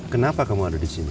kenapa kamu ada disini